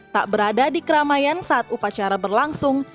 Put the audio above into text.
tak berada di keramaian saat upacara berlangsung